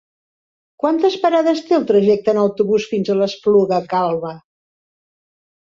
Quantes parades té el trajecte en autobús fins a l'Espluga Calba?